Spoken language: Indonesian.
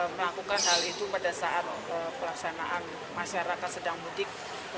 melakukan hal itu pada saat pelaksanaan masyarakat sedang mudik